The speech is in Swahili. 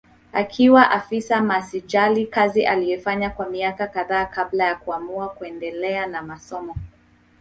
Akiwa afisa masijali kazi aliyoifanya kwa miaka kadhaa kabla ya kuamua kuendelea na masomo